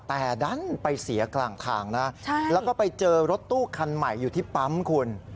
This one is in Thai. แต่ดันไปเสียกลางทางนะแล้วก็ไปเจอรถตู้คันใหม่อยู่ที่ปั๊มคุณ